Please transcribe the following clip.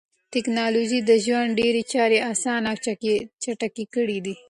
ټکنالوژي د ژوند ډېری چارې اسانه او چټکې کړې دي.